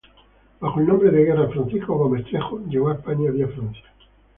Bajo el nombre de guerra "Francisco Gómez Trejo" llegó a España vía Francia.